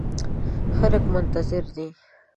خلګ منتظر دي